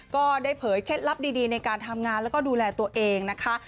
ก็ได้เผยเคล็ดลับดีในการทำงานแล้วก็ดูแลตัวเองนะคะ